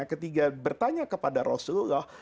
ketika bertanya kepada rasulullah